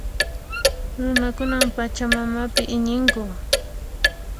Runakunan Pachamamapi iñinku.